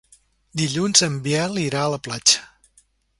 Dilluns en Biel irà a la platja.